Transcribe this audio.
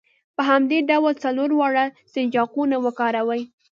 په همدې ډول څلور واړه سنجاقونه وکاروئ.